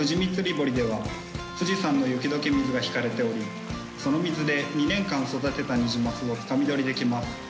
ぼりでは富士山の雪解け水が引かれておりその水で２年間育てたニジマスをつかみ取りできます。